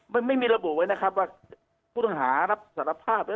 มันไม่มีระบุไว้นะครับว่าผู้ต้องหารับสารภาพ